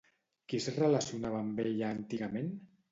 Qui es relacionava amb ella antigament?